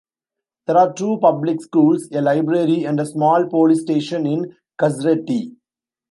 There are two public schools, a library, and a small police station in Kazreti.